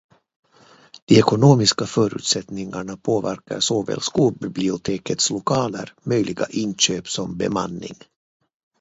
De ekonomiska förutsättningarna påverkar såväl skolbibliotekets lokaler, möjliga inköp som bemanning.